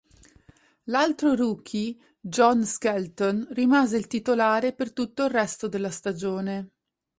L'altro rookie John Skelton rimase il titolare per tutto il resto della stagione.